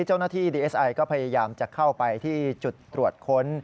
เจ้าหน้าที่ดีเอสไอก็พยายามจะเข้าไปที่จุดตรวจค้น